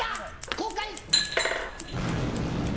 公開！